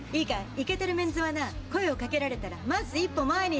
イケてるメンズはな声を掛けられたらまず一歩前に出る。